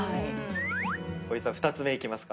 光一さん２つ目いきますか？